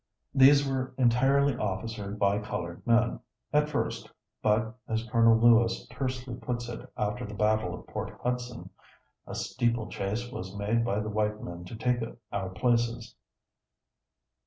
These were entirely officered by colored men, at first, but, as Col. Lewis tersely puts it, after the battle of Port Hudson, a "steeple chase was made by the white men to take our places."